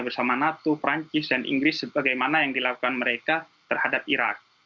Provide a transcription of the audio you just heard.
bersama nato perancis dan inggris sebagaimana yang dilakukan mereka terhadap irak